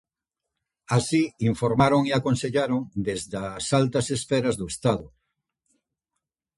Así informaron e aconsellaron desde as altas esferas do Estado.